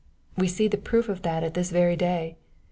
We see the proof of that at this very day.